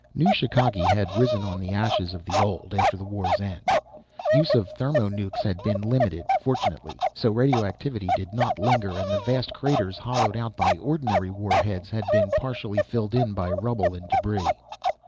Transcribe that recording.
New Chicagee had risen on the ashes of the old, after the war's end. Use of thermo nucs had been limited, fortunately, so radioactivity did not linger, and the vast craters hollowed out by ordinary warheads had been partially filled by rubble and debris.